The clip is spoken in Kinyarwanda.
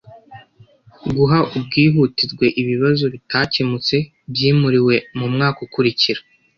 guha ubwihutirwe ibibazo bitakemutse byimuriwe mu mwaka ukurikira